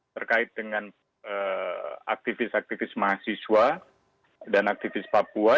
terkait dengan aktivis aktivis mahasiswa dan aktivis papua